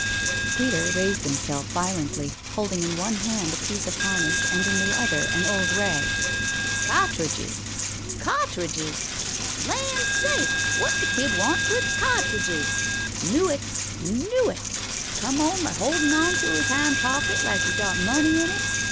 Peter raised himself violently, holding in one hand a piece of harness, and in the other an old rag. "Ca'tridgers! Ca'tridgers! Lan'sake! wut the kid want with ca'tridgers? Knew it! Knew it! Come home er holdin' on to his hind pocket like he got money in it.